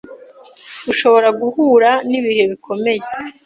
ushobora guhura n`ibihe bikomeye